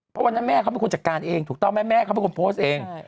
เพราะวันนั้นแม่เขาเป็นคนจัดการเองถูกต้องไหมแม่เขาเป็นคนโพสต์เอง